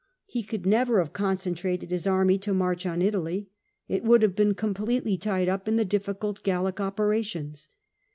He could never have concentrated his army to march on Italy: it would have been completely tied tip in the difficult Gallic operations.